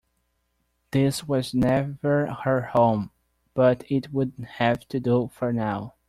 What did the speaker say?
This was never her home, but it would have to do for now.